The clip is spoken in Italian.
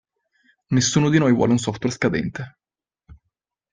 Nessuno di noi vuole un software scadente!